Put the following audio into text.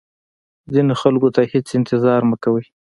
ځینو خلکو ته هیڅ انتظار مه کوئ.